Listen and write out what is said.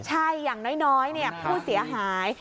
ใช่อย่างน้อยผู้เสียหาย